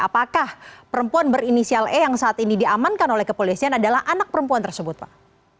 apakah perempuan berinisial e yang saat ini diamankan oleh kepolisian adalah anak perempuan tersebut pak